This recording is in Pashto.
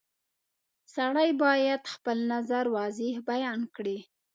• سړی باید خپل نظر واضح بیان کړي.